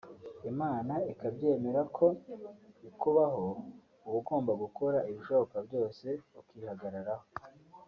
Imana ikabyemera ko bikubaho uba ugomba gukora ibishoboka byose ukihagararaho